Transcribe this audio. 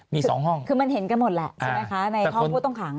มีสองห้องคือมันเห็นกันหมดละ